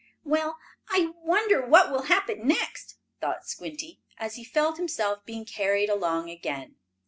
"Well, I wonder what will happen next?" thought Squinty, as he felt himself being carried along again.